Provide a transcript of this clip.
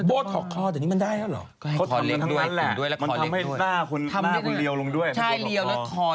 โบ้ถอดคอเดี๋ยวนี้มันได้แล้วเหรอ